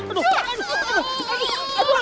fight dulu sama gue